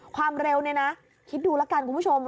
ความเร็วเนี่ยนะคิดดูแล้วกันคุณผู้ชม